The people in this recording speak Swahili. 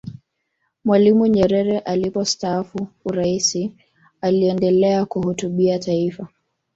mwalimu nyerere alipostaafu uraisi aliendelea kuhutubia taifa